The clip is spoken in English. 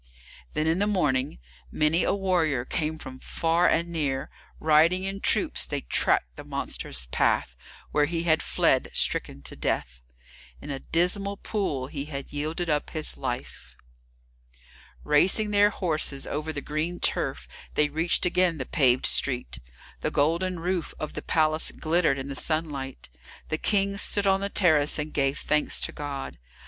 Then, in the morning, many a warrior came from far and near. Riding in troops, they tracked the monster's path, where he had fled stricken to death. In a dismal pool he had yielded up his life. Racing their horses over the green turf, they reached again the paved street. The golden roof of the palace glittered in the sunlight. The King stood on the terrace and gave thanks to God.